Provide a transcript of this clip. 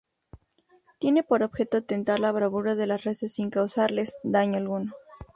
Tiene por objeto tentar la bravura de las reses sin causarles daño alguno.